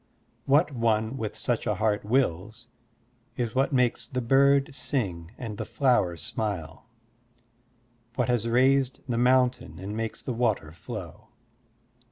What one with such a heart wills is what makes the bird sing and the flower smile, what has raised the mountain and makes the water flow.